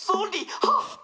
「はっ！